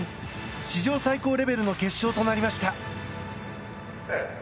史上最高レベルの決勝となりました。